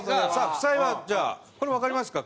負債はじゃあこれわかりますか？